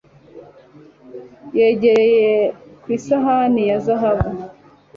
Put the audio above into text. Yegereye ku isahani ya zahabu